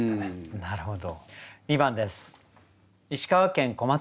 なるほど。